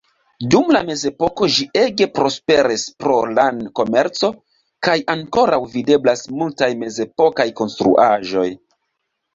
Dum la mezepoko ĝi ege prosperis pro lan-komerco, kaj ankoraŭ videblas multaj mezepokaj konstruaĵoj.